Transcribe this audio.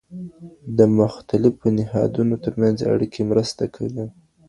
د مختلفو نهادونو ترمنځ اړیکې مرسته کوي.